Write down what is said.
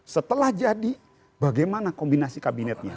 setelah jadi bagaimana kombinasi kabinetnya